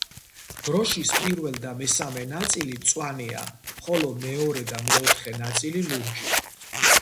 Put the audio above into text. დროშის პირველ და მესამე ნაწილი მწვანეა, ხოლო მეორე და მეოთხე ნაწილი ლურჯი.